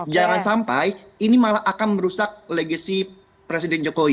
jangan sampai ini malah akan merusak legacy presiden jokowi